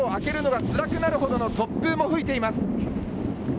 時折目を開けるのがつらくなるほどの突風も吹いています。